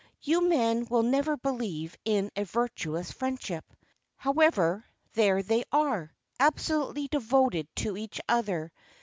"You men will never believe in a virtuous friendship. However, there they are absolutely devoted to each other.